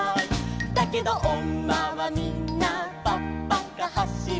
「だけどおんまはみんなぱっぱかはしる」